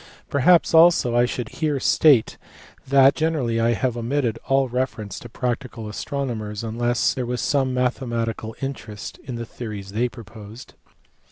Perhaps also I should here state that generally I have omitted all reference to practical astro nomers unless there was some mathematical interest in the theories they proposed.